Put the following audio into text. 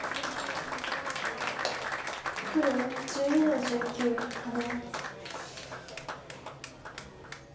黒１２の十九ハネ。